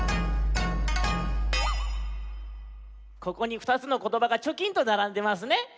ここに２つのことばがチョキンとならんでますね。